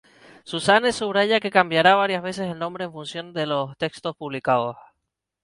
Suzanne subraya que cambiará varias veces el nombre en funciones de los textos publicados.